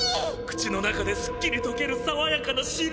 口の中ですっきりとけるさわやかな白あん！